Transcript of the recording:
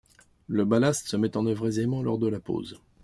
Le ballast se met en œuvre aisément lors de la pose.